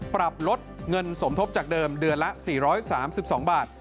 ปรับลดเงินสมทบจากเดิมเดือนละ๔๓๒บาท